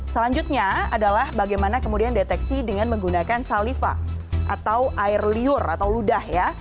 selanjutnya adalah bagaimana kemudian deteksi dengan menggunakan salifa atau air liur atau ludah ya